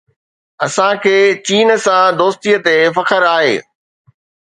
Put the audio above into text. اسان کي چين سان دوستي تي فخر آهي.